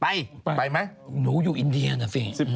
ไปไปไหมหนูอยู่อินเดียนะสิ